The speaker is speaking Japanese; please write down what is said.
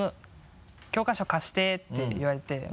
「教科書貸して」って言われて。